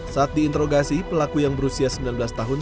saat diinterogasi pelaku yang berusia sembilan belas tahun